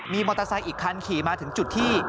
มีมอเตอร์ไซค์อีกคันขี่มาถึงจุดที่